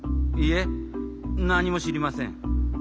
いえなにもしりません。